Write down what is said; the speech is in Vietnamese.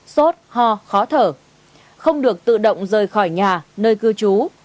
sốt ho khó thở không được tự động rời khỏi nhà nơi cư trú